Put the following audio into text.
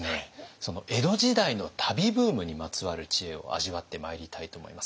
その江戸時代の旅ブームにまつわる知恵を味わってまいりたいと思います。